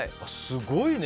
すごいね。